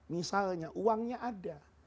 misalnya uangnya ada